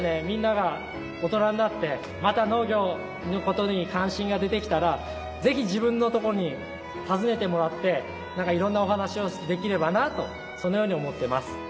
みんなが大人になってまた農業の事に関心が出てきたらぜひ自分のところに訪ねてもらって色んなお話をできればなとそのように思ってます。